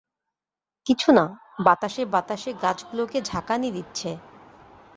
কিছু না, বাতাসে বাতাসে গাছগুলোকে ঝাঁকানি দিচ্ছে।